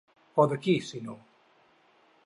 O de qui, si no?